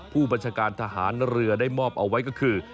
ผู้บัญชาการทหารเรือได้มอบเอาไว้ก็คือ